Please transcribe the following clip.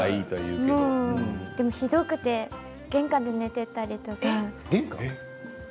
でもひどくて玄関で寝ていたりとか。